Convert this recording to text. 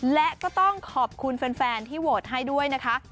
และก็ต้องขอบคุณแฟนที่โหวตให้ด้วยนะคะ